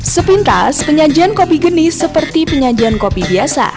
sepintas penyajian kopi genis seperti penyajian kopi biasa